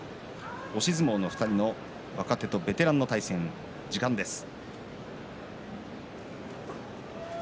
押し相撲の２人の若手とベテランの対戦です。